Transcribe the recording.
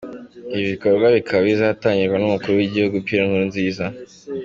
Ibyo bikorwa bikaba bizatangizwa n’umukuru w’igihugu Pierre Nkurunziza.